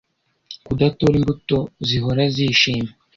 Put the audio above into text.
kudatora imbuto zihora zishima